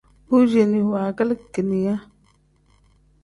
Bu ceeni wangilii keninga.